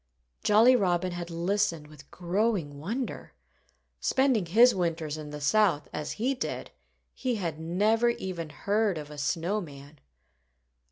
Jolly Robin had listened with growing wonder. Spending his winters in the South, as he did, he had never even heard of a snow man.